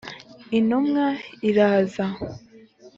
Intumwa iraza.